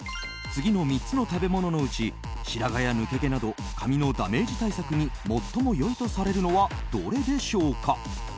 次の３つの食べ物のうち白髪や抜け毛など髪のダメージ対策に最も良いとされるのはどれでしょうか？